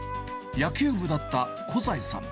野球部だった小材さん。